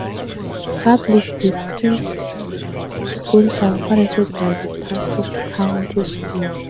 Public district schools are operated by the Pasco County Schools.